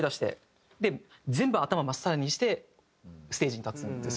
で全部頭まっさらにしてステージに立つんですよ。